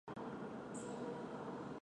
尸体头部和背部均有枪伤。